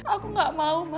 aku gak mau ma